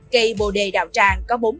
cây bồ đề đào tràng có bốn sáu trăm linh m hai